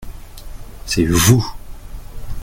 C’est vous.